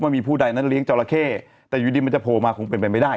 มีผู้ใดนั้นเลี้ยงจราเข้แต่อยู่ดีมันจะโผล่มาคงเป็นไปไม่ได้